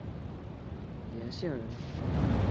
剡县人。